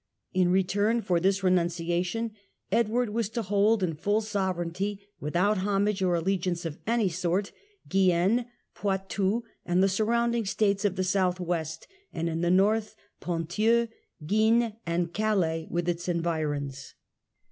In return for this renunciation Edward was to hold in full sovereignty, with out homage or allegiance of any sort, Guienne, Poitou and the surrounding States of the South west, and in the North, Ponthieu, Guisnes and Calais with its environs.